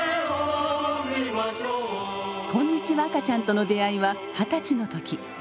「こんにちは赤ちゃん」との出会いは二十歳の時。